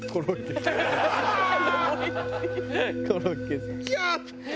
「コロッケさん」